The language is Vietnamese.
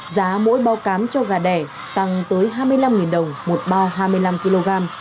giá mỗi bao cám cho gà đẻ tăng tới hai mươi năm đồng một bao hai mươi năm kg